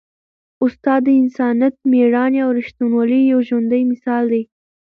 استاد د انسانیت، مېړانې او ریښتینولۍ یو ژوندی مثال دی.